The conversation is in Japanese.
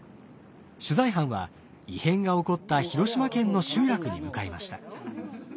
取材班は異変が起こった広島県の集落に向かいました。